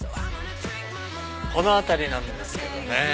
この辺りなんですけどね。